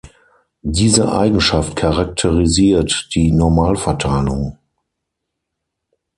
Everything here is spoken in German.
Diese Eigenschaft charakterisiert die Normalverteilung.